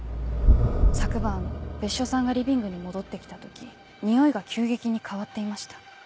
昨晩別所さんがリビングに戻って来た時匂いが急激に変わっていました。